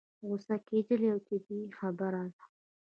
غوسه کېدل يوه طبيعي خبره ده.